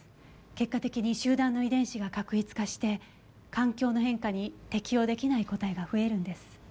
結果的に集団の遺伝子が画一化して環境の変化に適応出来ない個体が増えるんです。